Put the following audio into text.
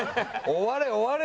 終われ終われ！